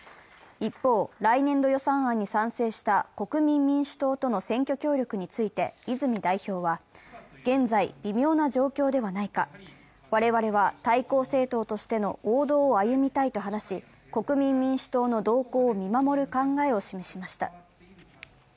一方、来年度予算案に賛成した国民民主党との選挙協力について、泉代表は現在、微妙な状況ではないか、我々は対抗政党としての王道を歩みたいと話し、国民民主党の動向を見守る考えを示しました。